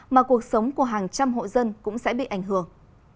mà cuộc sống của hàng trăm hộ dân cũng sẽ bị ảnh hưởng